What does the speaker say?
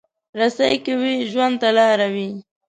رسۍ که وي، ژوند ته لاره وي.